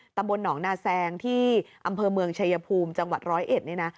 ตำบลหนองนาแซงที่อำเภอเมืองชายภูมิจังหวัดร้อยเอ็ดนี่นะ